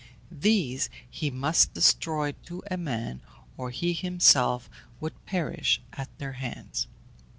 These he must destroy to a man, or he himself would perish at their hands.